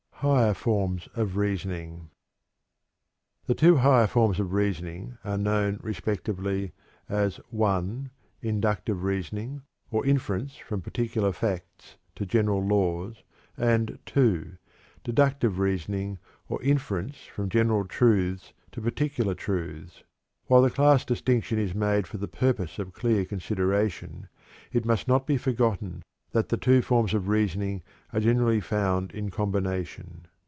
HIGHER FORMS OF REASONING. The two higher forms of reasoning are known, respectively, as (1) inductive reasoning, or inference from particular facts to general laws; and (2) deductive reasoning, or inference from general truths to particular truths. While the class distinction is made for the purpose of clear consideration, it must not be forgotten that the two forms of reasoning are generally found in combination.